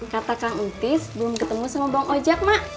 kata kang utis belum ketemu sama bang ojak mak